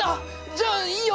じゃあいいよ。